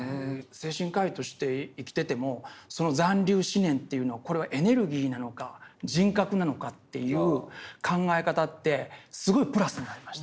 精神科医として生きててもその残留思念というのはこれはエネルギーなのか人格なのかという考え方ってすごいプラスになりました。